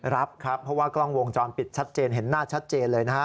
รับครับเพราะว่ากล้องวงจรปิดชัดเจนเห็นหน้าชัดเจนเลยนะฮะ